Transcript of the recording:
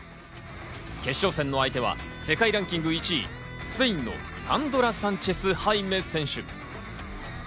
決勝戦の相手は世界ランキング１位、スペインのサンドラ・サンチェス・ハイメ選手。